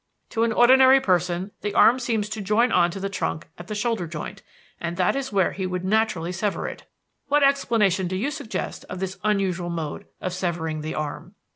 To an ordinary person, the arm seems to join on to the trunk at the shoulder joint, and that is where he would naturally sever it. What explanation do you suggest of this unusual mode of severing the arm?"